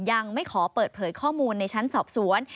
ยังไม่ขอเปิดเผยข้อมูลในชั้นสอบสวน